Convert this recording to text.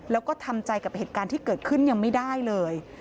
แล้วก็ทำใจกับเหตุการณ์ที่เกิดขึ้นยังไม่ได้เลย